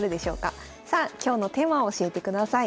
さあ今日のテーマを教えてください。